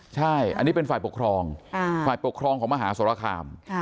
ใช่อันนี้เป็นฝ่ายปกครองฝ่ายปกครองของมหาสรคาม